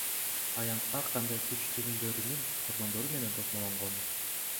Аянт ар кандай күч түзүмдөрүнүн кордондору менен тосмолонгон.